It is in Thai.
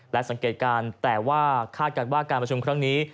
และสังเกตการณ์แต่ว่าคาดการณ์ว่าการประชุมครั้งนี้